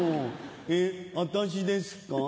えっ私ですか？